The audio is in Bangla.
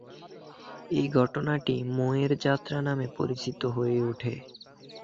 এই ঘটনাটি মোয়ের যাত্রা নামে পরিচিত হয়ে ওঠে।